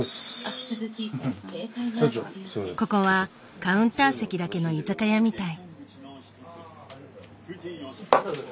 ここはカウンター席だけの居酒屋みたい。